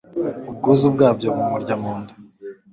Ubwuzu bwabyo bumurya mu nda